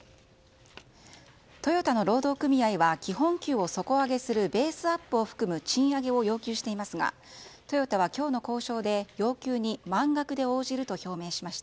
トヨタの労働組合は基本給を底上げするベースアップを含む賃上げを要求していますがトヨタは今日の交渉で要求に満額で応じると表明しました。